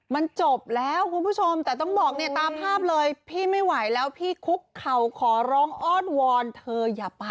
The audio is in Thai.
มันจบแล้วคุณผู้ชมแต่ต้องบอกเนี่ยตามภาพเลยพี่ไม่ไหวแล้วพี่คุกเข่าขอร้องอ้อนวอนเธออย่าไป